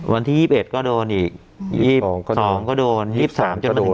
วันที่๒๑ก็โดนอีก๒ก็โดน๒๓จนมาถึง